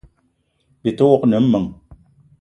Byi te wok ne meng :